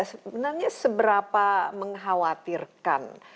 sebenarnya seberapa mengkhawatirkan